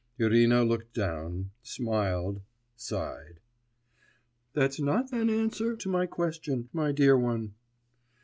Irina looked down, smiled, sighed. 'That's not an answer to my question, my dear one.